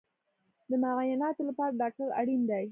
د معایناتو لپاره ډاکټر اړین دی